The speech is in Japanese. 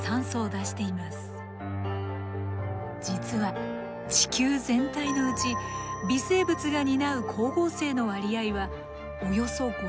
実は地球全体のうち微生物が担う光合成の割合はおよそ５０％。